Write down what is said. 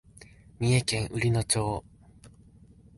三重県菰野町